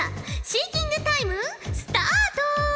シンキングタイムスタート！